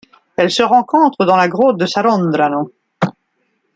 Elle se rencontre dans la grotte de Sarondrano.